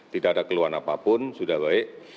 tidak ada keluhan apapun sudah baik